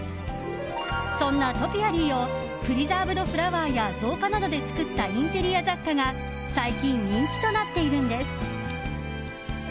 そんなトピアリーをプリザーブドフラワーや造花などで作ったインテリア雑貨が最近人気となっているんです。